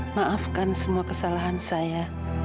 maafkan semua kesalahan saya